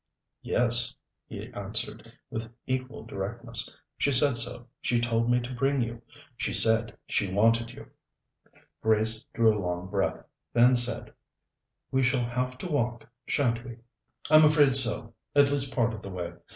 "Yes," he answered, with equal directness. "She said so. She told me to bring you. She said she wanted you." Grace drew a long breath, then said: "We shall have to walk, sha'n't we?" "I'm afraid so at least part of the way.